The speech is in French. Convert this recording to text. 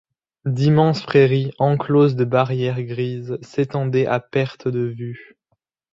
D’immenses prairies, encloses de barrières grises, s’étendaient à perte de vue.